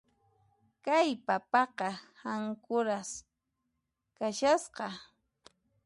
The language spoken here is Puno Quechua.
Kay papaqa hankuras kashasqa.